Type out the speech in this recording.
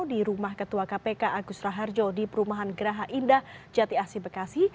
di rumah ketua kpk agus raharjo di perumahan geraha indah jati asi bekasi